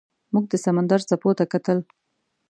موږ د سمندر څپو ته کتل.